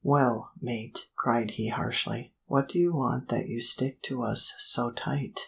"Well, mate," cried he harshly, "what do you want that you stick to us so tight?"